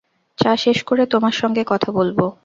চা শেষ করে তোমার সঙ্গে কথা বলব!